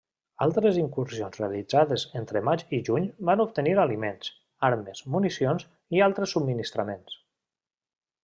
Altres incursions realitzades entre maig i juny van obtenir aliments, armes, municions i altres subministraments.